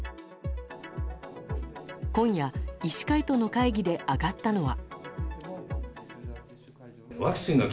今夜、医師会との会議で上がったのは。